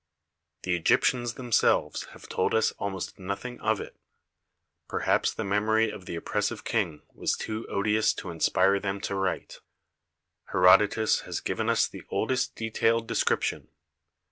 The Egyptians themselves have told us almost nothing of it; perhaps the memory of the 1 8 THE SE^EN WONDERS oppressive King was too odious to inspire them to write. Herodotus has given us the oldest detailed description.